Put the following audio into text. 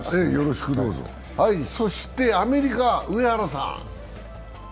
そして、アメリカ、上原さん。